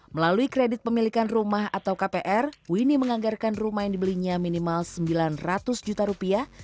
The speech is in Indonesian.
melalui kredit pemilikan rumah atau kpr winnie menganggarkan rumah yang dibelinya minimal sembilan ratus juta rupiah